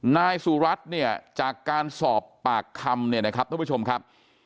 นายสุรัตน์เนี่ยจากการสอบปากคำเนี่ยนะครับท่านผู้ชมครับ